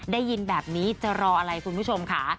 ได้ยินแบบนี้จะรออะไรคุณผู้ชมค่ะ